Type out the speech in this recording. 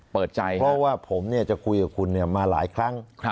เพราะว่าผมเนี่ยจะคุยกับคุณเนี่ยมาหลายครั้ง